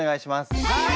はい！